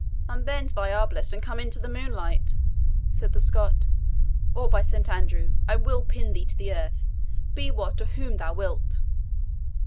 "Unbend thy arblast, and come into the moonlight," said the Scot, "or, by Saint Andrew, I will pin thee to the earth, be what or whom thou wilt!"